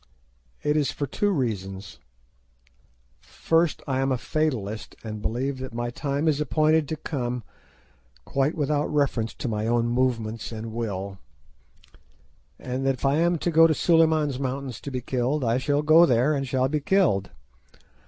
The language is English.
It is for two reasons. First I am a fatalist, and believe that my time is appointed to come quite without reference to my own movements and will, and that if I am to go to Suliman's Mountains to be killed, I shall go there and shall be killed.